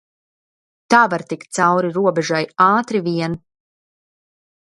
Tā var tikt cauri robežai ātri vien.